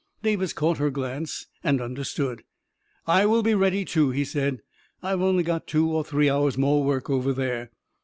Davis caught her glance, and un derstood. " I will be ready, too, 99 he said. " I've only got two or three hours 9 more work over there.